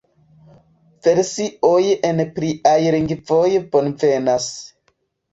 Versioj en pliaj lingvoj bonvenas.